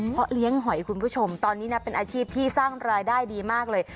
เพราะเลี้ยงหอยคุณผู้ชมตอนนี้นะเป็นอาชีพที่สร้างรายได้ดีมากเลย